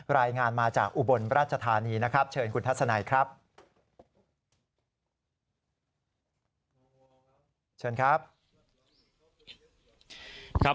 รายงานมาจากอุบลราชธานีนะครับเชิญคุณทัศนัยครับ